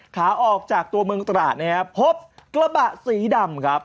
ขาออกจากตัวเมืองตราดนะครับพบกระบะสีดำครับ